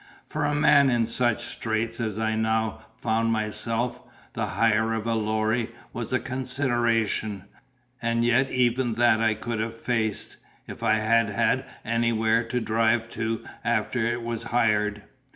For a man in such straits as I now found myself, the hire of a lorry was a consideration; and yet even that I could have faced, if I had had anywhere to drive to after it was hired.